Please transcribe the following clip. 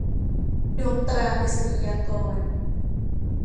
ดวงตราไปรษณียากร